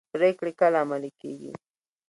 پریکړې کله عملي کیږي؟